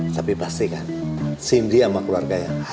tapi pastikan cindy sama keluarganya harus aja